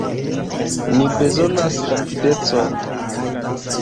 Ni bezonas rapidecon!